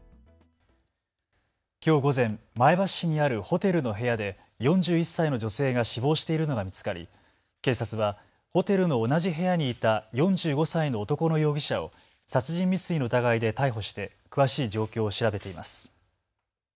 きょう午前、前橋市にあるホテルの部屋で４１歳の女性が死亡しているのが見つかり警察はホテルの同じ部屋にいた４５歳の男の容疑者を殺人未遂の疑いで逮捕して詳しい状況を調べています。